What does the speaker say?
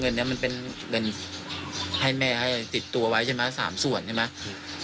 มันเป็นเงินให้แม่ให้ติดตัวไว้ใช่ไหมสามส่วนใช่ไหม